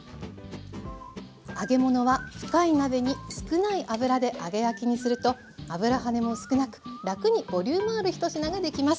揚げ物は深い鍋に少ない油で揚げ焼きにすると油はねも少なく楽にボリュームある１品ができます。